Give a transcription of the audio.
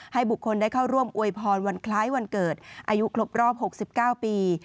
บุคคลได้เข้าร่วมอวยพรวันคล้ายวันเกิดอายุครบรอบ๖๙ปี